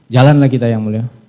jalan lagi tayang mulia